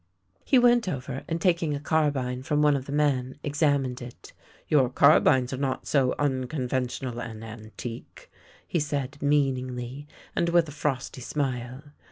He went over, and taking a carbine from one of the men, examined it. " Your carbines are not so uncon ventional and antique," he said meaningly, and with a frosty smile.